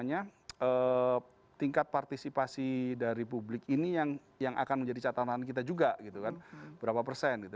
ini juga berarti tingkat apa namanya tingkat partisipasi dari publik ini yang yang akan menjadi catatan kita juga gitu kan berapa persen gitu